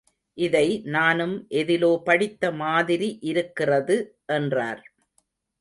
இதை நானும் எதிலோ படித்த மாதிரி இருக்கிறது என்றார்.